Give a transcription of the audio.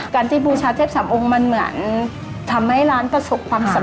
การที่บูชาเทพสามองค์มันเหมือนทำให้ร้านประสบความสำ